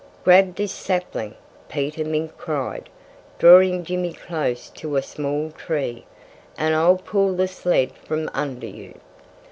"Grab this sapling!" Peter Mink cried, drawing Jimmy close to a small tree. "And I'll pull the sled from under you."